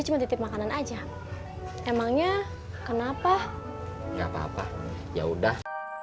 gak apa apa yaudah